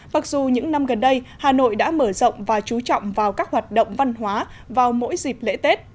mặc dù những năm gần đây hà nội đã mở rộng và chú trọng vào các hoạt động văn hóa vào mỗi dịp lễ tết